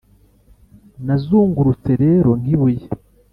nazungurutse rero nk'ibuye